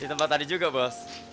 di tempat tadi juga bos